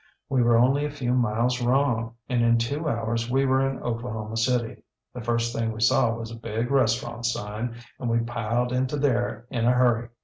We were only a few miles wrong, and in two hours we were in Oklahoma City. The first thing we saw was a big restaurant sign, and we piled into there in a hurry.